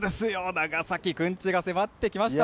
長崎くんちが迫ってきました。